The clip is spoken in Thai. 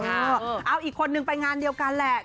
เอาอีกคนนึงไปงานเดียวกันแหละ